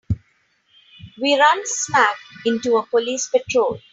We run smack into a police patrol.